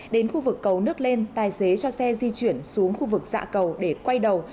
đến khu vực cầu nước lên tài xế cho xe di chuyển xuống khu vực dạ cầu để quay đầu